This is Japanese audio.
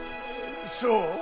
そう？